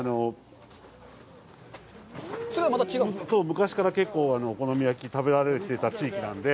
昔から結構、お好み焼きが食べられていた地域なので。